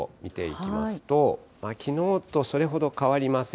きのうとそれほど変わりません。